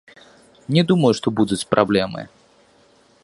Не думаю, што будуць праблемы.